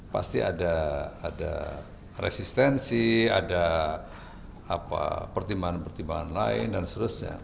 pasti ada resistensi ada pertimbangan pertimbangan lain dan seterusnya